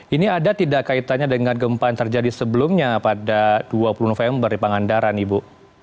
ini ada tidak kaitannya dengan gempa yang terjadi sebelumnya pada dua puluh november di pangandaran ibu